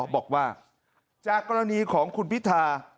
บอกว่าจากกรณีของคุณพิธา